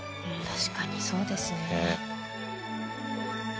確かにそうですね。